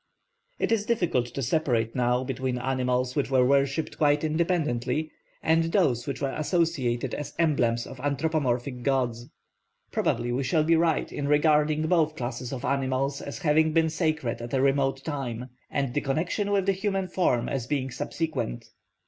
It is difficult to separate now between animals which were worshipped quite independently, and those which were associated as emblems of anthropomorphic gods. Probably we shall be right in regarding both classes of animals as having been sacred at a remote time, and the connection with the human form as being subsequent.